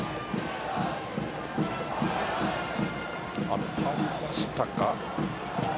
当たりましたか。